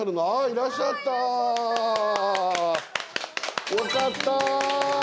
いらっしゃった！よかった！